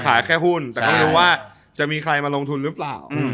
ขายแค่หุ้นแต่ก็ไม่รู้ว่าจะมีใครมาลงทุนหรือเปล่า